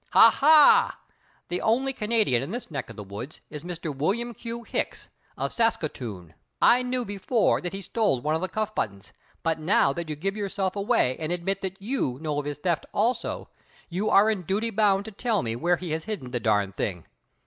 "Ha, ha! The only Canadian in this neck of the woods is Mr. William Q. Hicks, of Saskatoon. I knew before that he stole one of the cuff buttons, but now that you give yourself away and admit that you know of his theft also, you are in duty bound to tell me where he has hidden the darned thing.